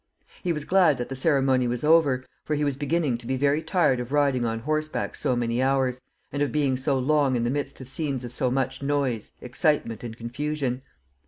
He was glad that the ceremony was over, for he was beginning to be very tired of riding on horseback so many hours, and of being so long in the midst of scenes of so much noise, excitement, and confusion.